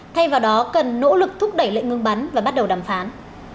thay vào đó cần nỗ lực thúc đẩy lệnh ngừng bắn và bắt đầu đàm phán